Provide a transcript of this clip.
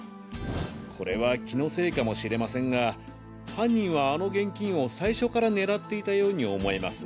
これは気のせいかもしれませんが犯人はあの現金を最初から狙っていたように思えます。